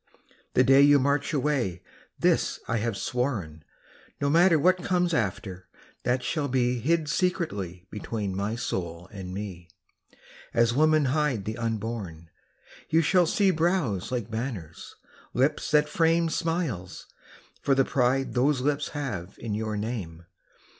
The day you march away this I have sworn, No matter what comes after, that shall be Hid secretly between my soul and me As women hide the unborn You shall see brows like banners, lips that frame Smiles, for the pride those lips have in your name.